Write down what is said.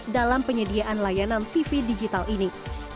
dalam penyediaan layanan tv digital ini